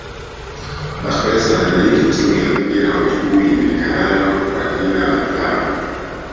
Bakhresa anamiliki timu ya mpira wa miguu ijulikanayo kwa jina la klabu